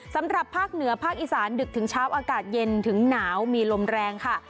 สำหรับภาคเหนือภาคอีสานดึกถึงเช้าอากาศเย็นถึงหนาวมีลมแรงค่ะ